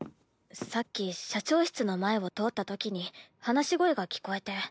さっき社長室の前を通ったときに話し声が聞こえて。